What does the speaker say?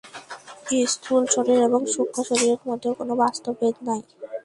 স্থূলশরীর এবং সূক্ষ্মশরীরের মধ্যেও কোন বাস্তব ভেদ নাই।